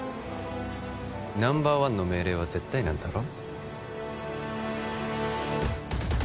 ナンバーワンの命令は絶対なんだろ？